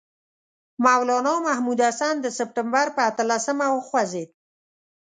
مولنا محمود الحسن د سپټمبر پر اتلسمه وخوځېد.